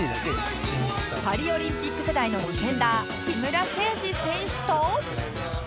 パリオリンピック世代のディフェンダー木村誠二選手と